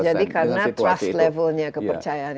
jadi karena trust levelnya kepercayaan ini